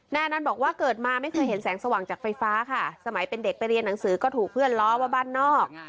อนันต์บอกว่าเกิดมาไม่เคยเห็นแสงสว่างจากไฟฟ้าค่ะสมัยเป็นเด็กไปเรียนหนังสือก็ถูกเพื่อนล้อว่าบ้านนอก